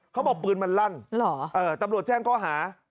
เขาบอกปืนมันลั่นตำรวจแจ้งก็หาเหรอ